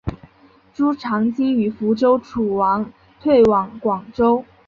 朱常清与福州诸王退往广州。